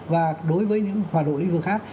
và đối với những hoạt động lĩnh vực khác